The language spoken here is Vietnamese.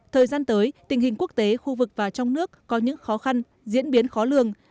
thời gian tới tình hình quốc tế khu vực và trong nước có những khó khăn diễn biến khó lường